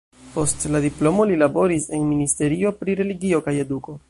Post la diplomo li laboris en ministerio pri Religio kaj Eduko.